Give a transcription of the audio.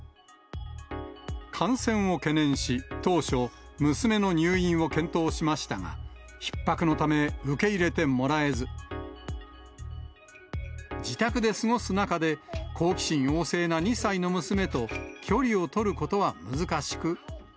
感染を懸念し、当初、娘の入院を検討しましたが、ひっ迫のため受け入れてもらえず、自宅で過ごす中で、好奇心旺盛な２歳の娘と、距離を取ることは難しく。